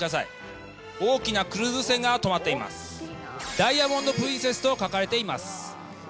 ダイヤモンド・プリンセスと書かれています。